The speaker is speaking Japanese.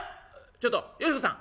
「ちょっとよし子さん